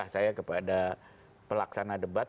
saya kepada pelaksana debat